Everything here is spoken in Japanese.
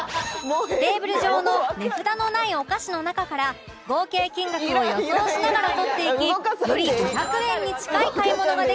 テーブル上の値札のないお菓子の中から合計金額を予想しながら取っていきより５００円に近い買い物ができた人が勝ちです